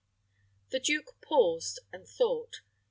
The duke paused and thought.